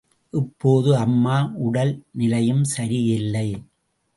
இப்போது அம்மா உடல் நிலையும் சரியில்லை.